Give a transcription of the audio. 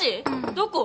どこ？